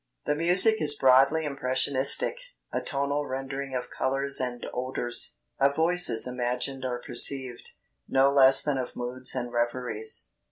The music is broadly impressionistic, a tonal rendering of colors and odors, of voices imagined or perceived, no less than of moods and reveries.